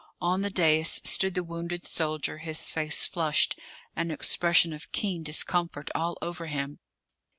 On the dais stood the wounded soldier, his face flushed, an expression of keen discomfort all over him.